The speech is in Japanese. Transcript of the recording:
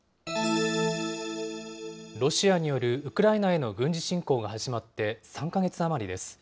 ロシアによるウクライナへの軍事侵攻が始まって３か月余りです。